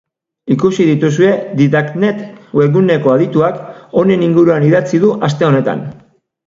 Ikusi dituzue didaknet webguneko adituak, honen inguruan idatzi du aste honetan.